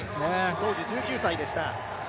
当時１９歳でした。